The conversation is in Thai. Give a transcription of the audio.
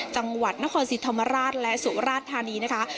จังหวัดนครศรีธรรมราชและสุราชธานีนะคะ